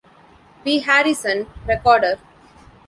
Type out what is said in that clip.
B. Harrison, Recorder.